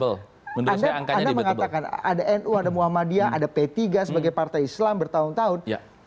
anda mengatakan ada nu ada muhammadiyah ada p tiga sebagai partai islam bertahun tahun